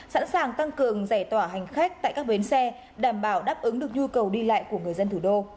sẵn sàng tăng cường giải tỏa hành khách tại các bến xe đảm bảo đáp ứng được nhu cầu đi lại của người dân thủ đô